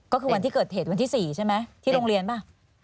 ก็คือวันที่เกิดเหตุวันที่๔ใช่ไหมที่โรงเรียนป่ะ